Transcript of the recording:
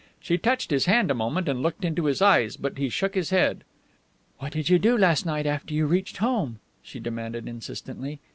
She touched his hand a moment and looked into his eyes, but he shook his head. "What did you do last night after you reached home?" she demanded insistently.